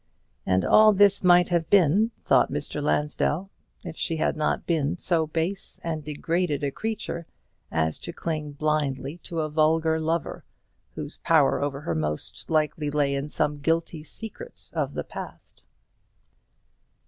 And all this might have been, thought Mr. Lansdell, if she had not been so base and degraded a creature as to cling blindly to a vulgar lover, whose power over her most likely lay in some guilty secret of the past.